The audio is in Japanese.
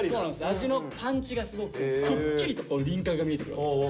味のパンチがすごくくっきりと輪郭が見えてくるわけです。